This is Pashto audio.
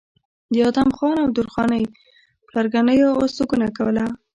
د ادم خان او درخانۍ پلرګنو استوګنه کوله